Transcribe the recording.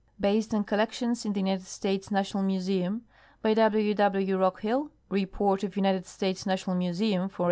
Based on Collections in the United States National Museum. By W. W. Rockhill. Report of United States National IMuseum for 189.